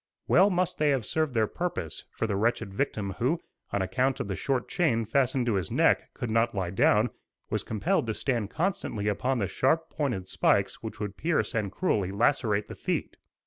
Well must they have served their purpose; for the wretched victim who, on account of the short chain fastened to his neck, could not lie down, was compelled to stand constantly upon the sharp pointed spikes which would pierce and cruelly lacerate the feet.